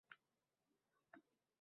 Pokiza jonlarni aylamish xalos